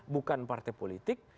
bukan partai politik